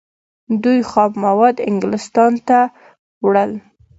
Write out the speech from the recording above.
دوی خام مواد انګلستان ته وړل.